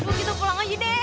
cuma kita pulang aja deh